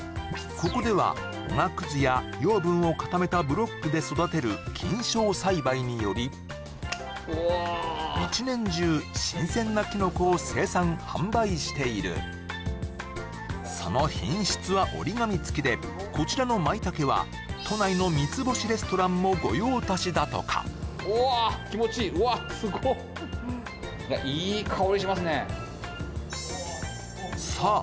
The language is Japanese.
ここではおがくずや養分を固めたブロックで育てる菌床栽培により一年中新鮮なキノコを生産販売しているその品質は折り紙つきでこちらのマイタケは都内の三つ星レストランも御用達だとかおーわっ気持ちいいうわっすごっさあ